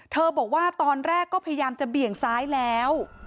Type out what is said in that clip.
บอกว่าตอนแรกก็พยายามจะเบี่ยงซ้ายแล้ว